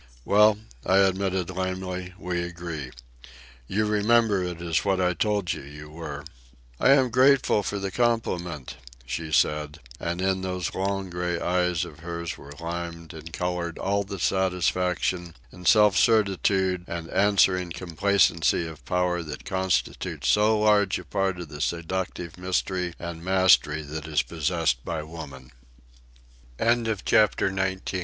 "Well," I admitted lamely, "we agree. You remember it is what I told you you were." "I am grateful for the compliment," she said; and in those long gray eyes of hers were limned and coloured all the satisfaction, and self certitude and answering complacency of power that constitute so large a part of the seductive mystery and mastery that is possessed by woman. CHAPTER XX.